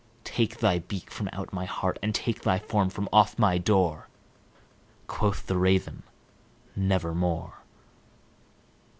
Take thy beak from out my heart, and take thy form from off my door!" Quoth the Raven, "Nevermore."